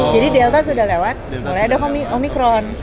jadi delta sudah lewat mulai ada omikron